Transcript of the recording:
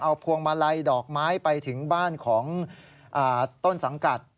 พวงมาลัยดอกไม้ไปถึงบ้านของต้นสังกัด